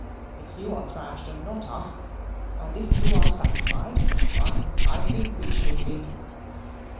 It's you are thrashed, and not us; and if you are satisfied, why, I think, we should be."